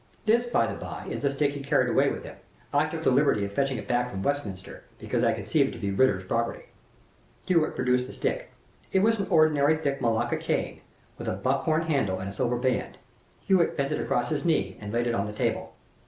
This, by the by, is the stick he carried away with him. I took the liberty of fetching it back from Westminster, because I conceive it to be Ritier's property." Hewitt produced the stick. It was an ordinary, thick Malacca cane, with a buck horn handle and a silver band. Hewitt bent it across his knee and laid it on the table.